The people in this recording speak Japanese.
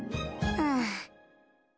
ああ。